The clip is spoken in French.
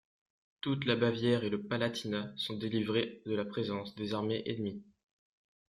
Toute la Bavière et le Palatinat sont délivrés de la présence des armées ennemies.